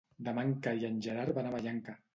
Demà en Cai i en Gerard van a Vallanca.